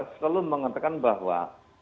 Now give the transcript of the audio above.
saya selalu mengatakan bahwa